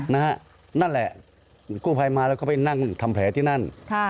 นั่นแหละกู้ภัยมาแล้วก็ไปนั่งทำแผลที่นั่น